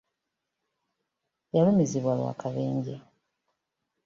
Yalumizibwa lw'akabenje.